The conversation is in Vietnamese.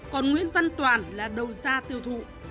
còn nguyễn văn toàn là đầu gia tiêu thụ